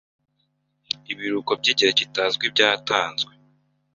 Ibiruhuko by'igihe kitazwi byatanzwe